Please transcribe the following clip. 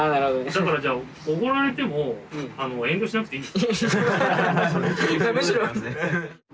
だからじゃあおごられても遠慮しなくていい。